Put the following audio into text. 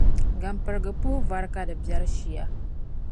Gampiriga puhi vari ka di biɛri shia.